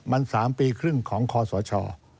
มัน๓ปีครึ่งของคอสช